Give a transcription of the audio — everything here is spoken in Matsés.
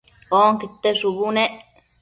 onquete shubu nec